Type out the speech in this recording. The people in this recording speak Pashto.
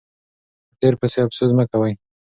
په تیر پسې افسوس مه کوئ.